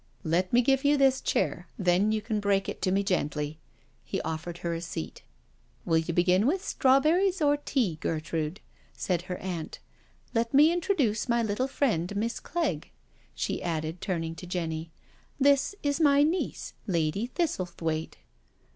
*' Let me give you this chair — then you can break it to me gently." He offered her a seat. " Will you begin with strawberries or tea, Ger trude?" said her aunt. ''Let me introduce my little friend. Miss Clegg," she added, turning to Jenny^ " this is my niece. Lady Thistlethwaite."